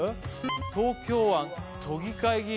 東京湾都議会議員